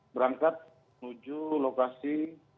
berangkat menuju lokasi